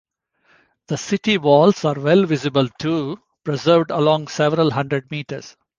The city walls are well visible too, preserved along several hundred metres.